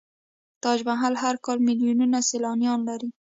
تاج محل هر کال میلیونونه سیلانیان لري.